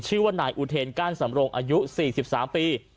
ชื่อว่านายอุเทนก้านสำรงอายุ๔๓ปี